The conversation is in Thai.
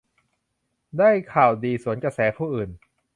ได้ข่าวดีสวนกระแสผู้อื่น